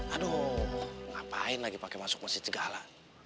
aduh ngapain lagi pake masuk mesin segala